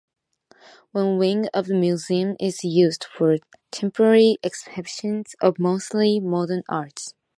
One wing of the museum is used for temporary exhibitions of mostly modern art.